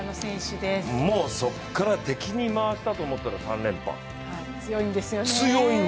もうそこから敵に回したと思ったら３連覇、強いんですよ。